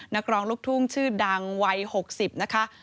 นักร้องลูกทุ่งชื่อดังวัย๖๐นะคะ